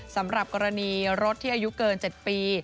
สำหรับกรณีรถที่อายุเกิน๗ปี